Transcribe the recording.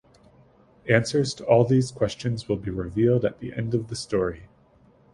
Answers to all these questions will be revealed at the end of the story.